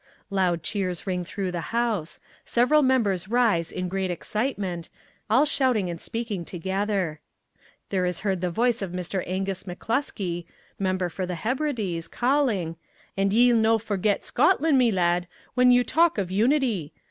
(Loud cheers ring through the House; several members rise in great excitement, all shouting and speaking together.) There is heard the voice of Mr. Angus McCluskey, Member for the Hebrides, calling "And ye'll no forget Scotland, me lad, when you talk of unity!